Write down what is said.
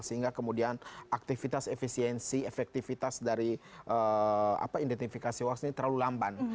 sehingga kemudian aktivitas efisiensi efektivitas dari identifikasi hoax ini terlalu lamban